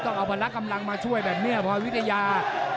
ต้องเอาพละกำลังมาช่วยแบบนี้พลอยวิทยา